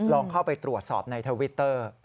ลองเข้าไปตรวจสอบในทวิตเตอร์